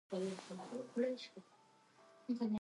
He then worked at Stanford University.